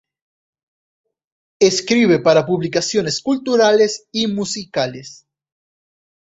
Escribe para publicaciones culturales y musicales.